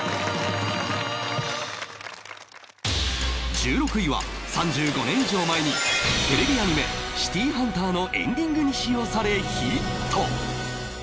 １６位は３５年以上前にテレビアニメ『シティーハンター』のエンディングに使用されヒット